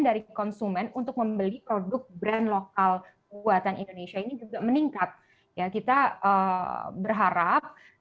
dari konsumen untuk membeli produk brand lokal buatan indonesia ini juga meningkat ya kita berharap